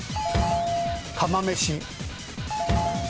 釜飯。